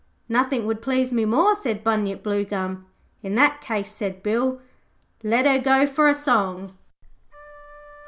'Nothing would please me more,' said Bunyip Bluegum. 'In that case,' said Bill, 'let her go for a song.'